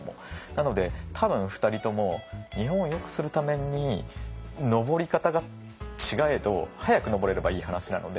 なので多分２人とも日本をよくするために登り方が違えど早く登れればいい話なので。